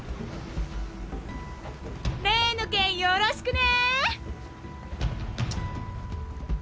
例の件よろしくね！